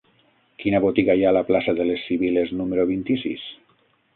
Quina botiga hi ha a la plaça de les Sibil·les número vint-i-sis?